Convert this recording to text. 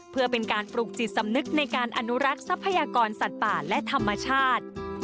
เพื่อเป็นการปลูกจิตสำนึกในการอนุรักษ์ทรัพยากรสัตว์ป่าและธรรมชาติ